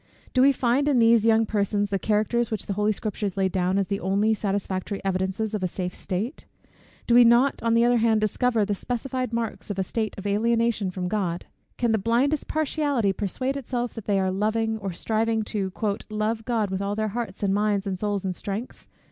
Do we find in these young persons the characters, which the holy Scriptures lay down as the only satisfactory evidences of a safe state? Do we not on the other hand discover the specified marks of a state of alienation from God? Can the blindest partiality persuade itself that they are loving, or striving "to love God with all their hearts, and minds, and souls, and strength?"